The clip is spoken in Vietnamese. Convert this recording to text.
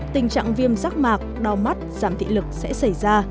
tình trạng viêm rác mạc đau mắt giảm thị lực sẽ xảy ra